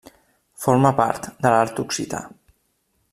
Forma part de l'art occità.